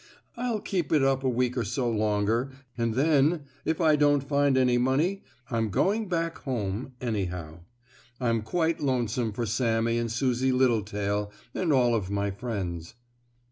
I'll keep it up a week or so longer, and then, if I don't find any money, I'm going back home, anyhow. I'm quite lonesome for Sammie and Susie Littletail and all of my friends."